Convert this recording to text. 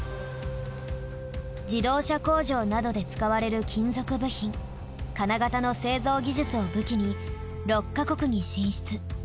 自動車工場などで使われる金属部品金型の製造技術を武器に６カ国に進出。